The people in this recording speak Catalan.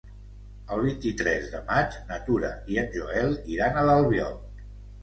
El vint-i-tres de maig na Tura i en Joel iran a l'Albiol.